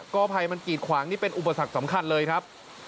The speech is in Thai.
ก็ภัยมันกีดขวางนี่เป็นอุปสรรคสำคัญเลยครับ